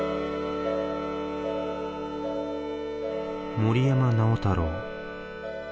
森山直太朗。